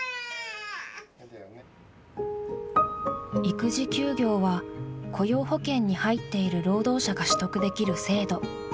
育児休業は雇用保険に入っている労働者が取得できる制度。